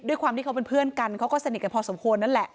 ด้วยความที่เขาเป็นเพื่อนกันเขาก็สนิทกันพอสมควรนั่นแหละ